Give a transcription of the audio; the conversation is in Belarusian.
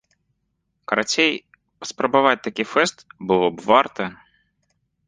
Карацей, паспрабаваць такі фэст было б варта!